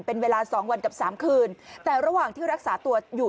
เป็นเวลาสองวันกับสามคืนแต่ระหว่างที่รักษาตัวอยู่